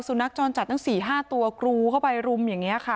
สุนัขจรจัดตั้ง๔๕ตัวกรูเข้าไปรุมอย่างนี้ค่ะ